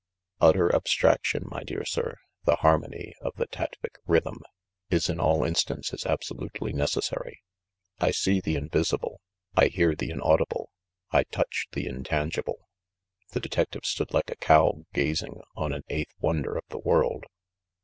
Utter abstraction, my dear sir, the harmony of the Tatvic Rythm, is in all instances abso lutely necessary. I see the invisible ; I hear the inaudi ble; I touch the intangible." The detective stood like a cow gazing on an eighth wonder of the world.